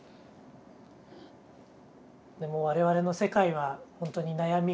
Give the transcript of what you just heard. でも我々の世界はほんとに悩みが。